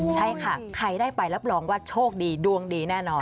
ใช่ค่ะใครได้ไปรับรองว่าโชคดีดวงดีแน่นอน